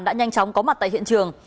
đã nhanh chóng có mặt tại hiện trường